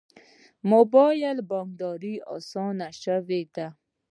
موبایل بانکداري اسانه شوې ده